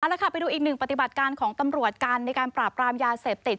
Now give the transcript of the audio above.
แล้วค่ะไปดูอีกหนึ่งปฏิบัติการของตำรวจกันในการปราบปรามยาเสพติด